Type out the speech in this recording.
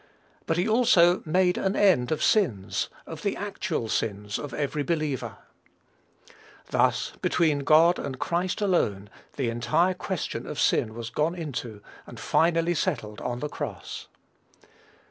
But he also "made an end of sins," of the actual sins of every believer. Thus, between God and Christ alone the entire question of sin was gone into, and finally settled on the cross.